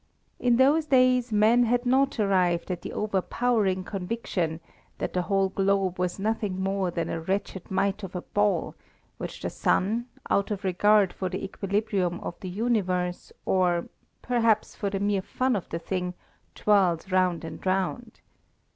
In those days men had not arrived at the overpowering conviction that the whole globe was nothing more than a wretched mite of a ball, which the sun, out of regard for the equilibrium of the universe, or, perhaps for the mere fun of the thing, twirls round and round.